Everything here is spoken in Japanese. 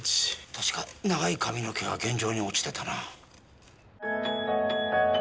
確か長い髪の毛が現場に落ちてたな。